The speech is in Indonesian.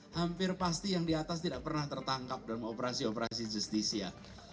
hampir pasti yang di atas tidak pernah tertangkap dalam operasi operasi justisia